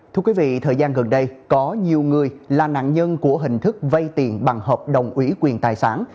thưa quý vị thời gian gần đây có nhiều người là nạn nhân của hình thức vay tiền bằng hợp đồng ủy quyền tài sản